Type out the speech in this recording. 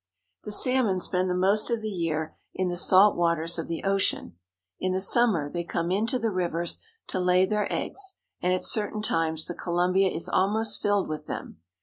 The salmon spend the most of the year in the salt waters of the ocean. In the summer they come into the rivers to lay their eggs, and at certain times the Columbia is almost filled with them.